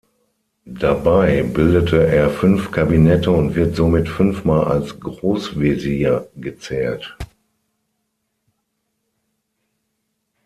Dabei bildete er fünf Kabinette und wird somit fünfmal als Großwesir gezählt.